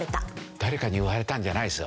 誰かに言われたんじゃないんですよ。